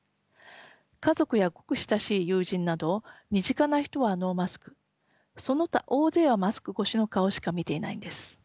家族やごく親しい友人など身近な人はノーマスクその他大勢はマスク越しの顔しか見ていないんです。